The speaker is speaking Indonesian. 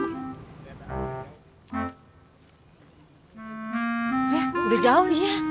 udah jauh nih ya